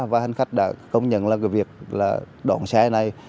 và hành khách đã công nhận việc đoàn xe này